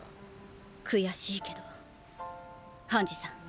悔しいけどハンジさん